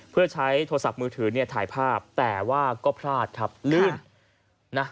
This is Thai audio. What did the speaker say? เพื่อใช้โทรศัพท์มือถือเนี่ยถ่ายภาพแต่ว่าก็พลาดครับลื่นนะ